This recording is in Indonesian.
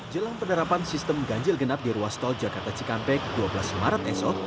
jelang penerapan sistem ganjil genap di ruas tol jakarta cikampek dua belas maret esok